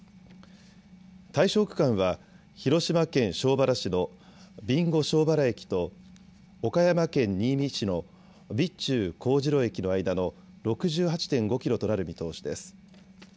対象区間は広島県庄原市の備後庄原駅と岡山県新見市の備中神代駅の間の６８．５キロとなる見通しです。